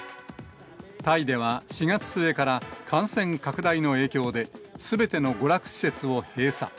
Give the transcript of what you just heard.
タイでは４月末から、感染拡大の影響で、すべての娯楽施設を閉鎖。